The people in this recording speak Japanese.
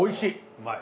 うまい。